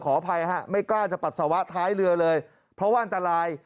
อภัยฮะไม่กล้าจะปัสสาวะท้ายเรือเลยเพราะว่าอันตราย